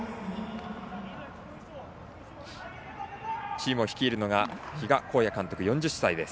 チームを率いるのは比嘉公也監督、４０歳です。